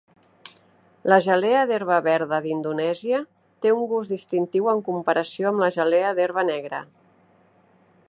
La gelea d'herba verda d'Indonèsia té un gust distintiu en comparació amb la gelea d'herba negra.